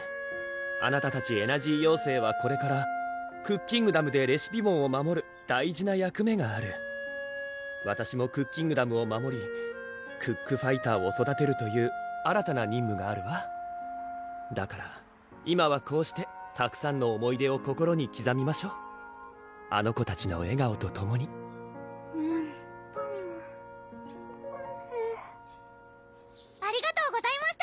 あなたたちエナジー妖精はこれからクッキングダムでレシピボンを守る大事な役目があるわたしもクッキングダムを守りクックファイターを育てるという新たな任務があるわだから今はこうしてたくさんの思い出を心にきざみましょあの子たちの笑顔とともにメンパムコメありがとうございました！